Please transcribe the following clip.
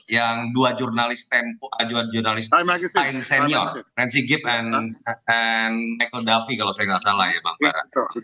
yang dua jurnalis senior nancy gipp dan michael duffy kalau saya tidak salah ya bang farah